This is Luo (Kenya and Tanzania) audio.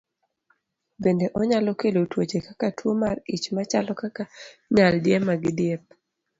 Bende onyalo kelo tuoche kaka tuwo mar ich machalo kaka nyaldiema gi diep.